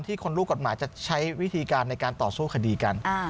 คนรู้กฎหมายจะใช้วิธีการในการต่อสู้คดีกัน